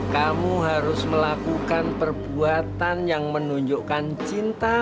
kamu harus melakukan perbuatan yang menunjukkan cinta